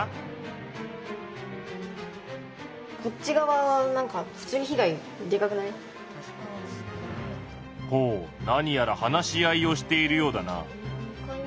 ではほう何やら話し合いをしているようだな。